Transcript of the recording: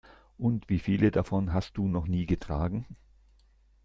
Und wie viele davon hast du noch nie getragen?